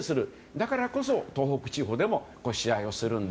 だからこそ、東北地方でも試合をするんだ。